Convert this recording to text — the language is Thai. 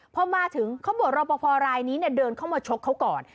พอมาถึงเขาบอกรอปภรายนี้เดินเข้ามาชกเขาก่อน